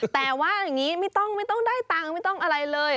แต่ว่าอย่างนี้ไม่ต้องไม่ต้องได้ตังค์ไม่ต้องอะไรเลย